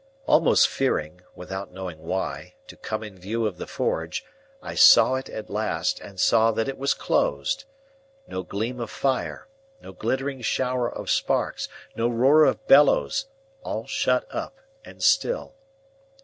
Almost fearing, without knowing why, to come in view of the forge, I saw it at last, and saw that it was closed. No gleam of fire, no glittering shower of sparks, no roar of bellows; all shut up, and still.